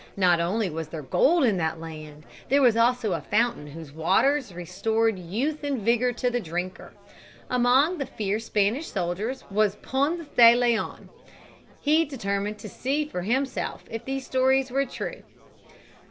Not only was there gold in that land; there was also a fountain whose waters restored youth and vigor to the drinker. Among the fierce Spanish soldiers was Ponce de Leon (Pon'tha da la on'). He determined to see for himself if these stories were true.